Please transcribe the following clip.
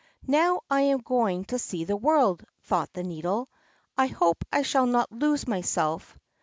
"Now I am going to see the world," thought the Needle. "I hope I shall not lose myself."